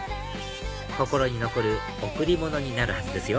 心に残る贈り物になるはずですよ